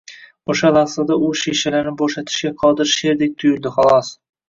O`sha lahzada u shishalarni bo`shatishga qodir sherdek tuyuldi, xolos